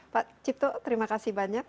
pak cipto terima kasih banyak